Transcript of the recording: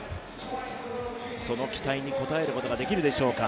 その期待に応えることができるでしょうか。